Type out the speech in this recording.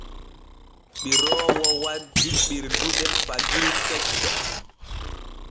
Ɓiroowo waddi ɓirdude fagiri kecce.